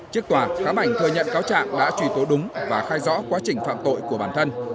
trước tòa khá bảnh thừa nhận cáo trạng đã trùy tố đúng và khai rõ quá trình phạm tội của bản thân